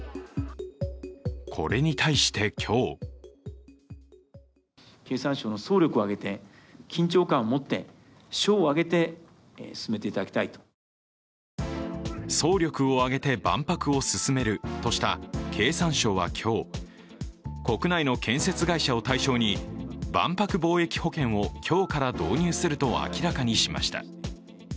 これに対して今日総力を挙げて万博を進めるとした経産省は今日国内の建設会社を対象に万博貿易保険を今日から導入すると明らかにしました。